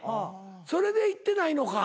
それで行ってないのか。